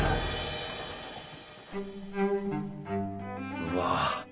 うわ！